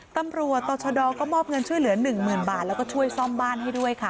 ตำรวจต่อชะดอก็มอบเงินช่วยเหลือ๑๐๐๐บาทแล้วก็ช่วยซ่อมบ้านให้ด้วยค่ะ